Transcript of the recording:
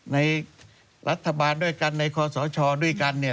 ในรัฐบาลด้วยกันในคอสชด้วยกันเนี่ย